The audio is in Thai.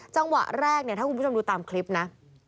จังหวะแรกเนี่ยถ้าคุณผู้ชมดูตามคลิปนะ